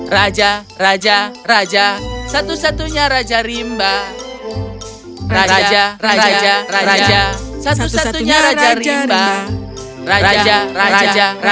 raja raja raja satu satunya raja rimba